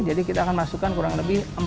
jadi kita akan masukkan kurang lebih empat